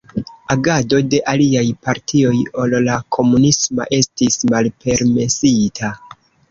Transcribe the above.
Agado de aliaj partioj ol la komunisma estis malpermesita.